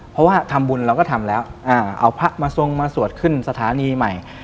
เพราะว่าทำบุญเราก็ทำแล้วเอาพระมาทรงมาสวดขึ้นสถานีใหม่